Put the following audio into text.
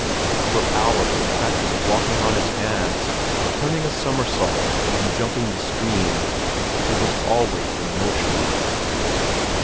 For hours he practiced walking on his hands, turning a somersault, and jumping the stream; he was always in motion.